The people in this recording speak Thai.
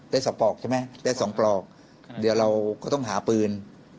สองปลอกใช่ไหมได้สองปลอกเดี๋ยวเราก็ต้องหาปืน